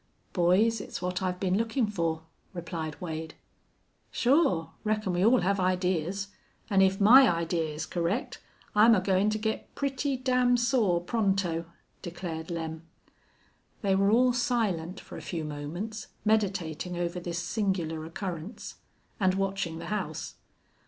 "Boys, it's what I've been lookin' for," replied Wade. "Shore. Reckon we all have idees. An' if my idee is correct I'm agoin' to git pretty damn sore pronto," declared Lem. They were all silent for a few moments, meditating over this singular occurrence, and watching the house.